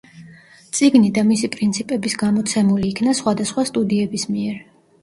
წიგნი და მისი პრინციპების გამოცემული იქნა სხვადასხვა სტუდიების მიერ.